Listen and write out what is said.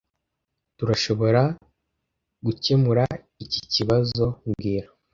Turashoboragukemura iki kibazo mbwira